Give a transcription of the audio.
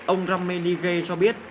ông rammelige cho biết